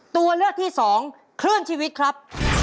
ตัวเลือกที่สองคลื่นชีวิตครับ